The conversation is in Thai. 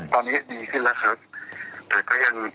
อ๋อตอนนี้ดีสิแล้วครับ